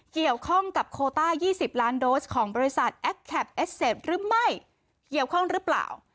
เกี่ยวข้องกับโคต้า๒๐ล้านโดสของบริษัทแอคแคปเอสเซจหรือไม่เกี่ยวข้องหรือเปล่า